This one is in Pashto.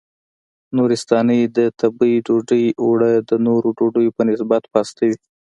نورستانۍ د تبۍ ډوډۍ اوړه د نورو ډوډیو په نسبت پاسته وي.